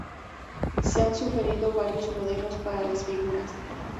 Se han sugerido varios modelos para las figuras.